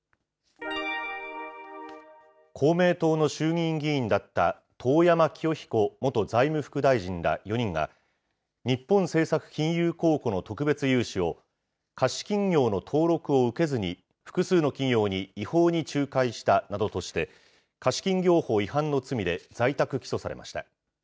公明党の衆議院議員だった遠山清彦元財務副大臣ら４人が、日本政策金融公庫の特別融資を、貸金業の登録を受けずに複数の企業に違法に仲介したなどとして、貸金業法違反の罪で在宅起訴されました。